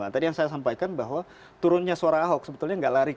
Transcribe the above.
tadi yang saya sampaikan bahwa turunnya suara ahok sebetulnya nggak lari